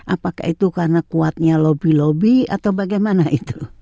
apakah itu karena kuatnya lobby lobby atau bagaimana itu